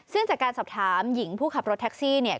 ซึ่งจากการสอบถามหญิงผู้ขับรถแท็กซี่เนี่ย